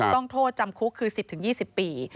โทษจำคุกคือ๑๐๒๐ปี